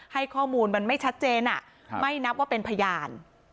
ให้ข้อมูลมันไม่ชัดเจนไม่นับว่าเป็นพยาน